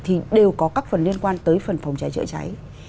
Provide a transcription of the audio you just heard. thì đều có các phần liên quan tới phần phòng cháy chữa cháy